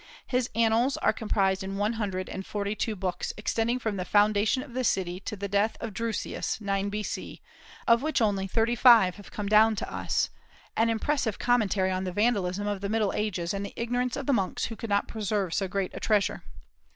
His Annals are comprised in one hundred and forty two books, extending from the foundation of the city to the death of Drusus, 9 B.C., of which only thirty five have come down to us, an impressive commentary on the vandalism of the Middle Ages and the ignorance of the monks who could not preserve so great a treasure.